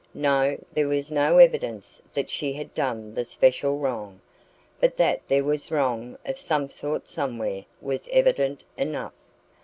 No, there was no evidence that she had done the special wrong. But that there was wrong of some sort somewhere was evident enough.